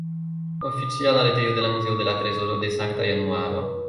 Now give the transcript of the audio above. Oficiala retejo de la Muzeo de la trezoro de Sankta Januaro.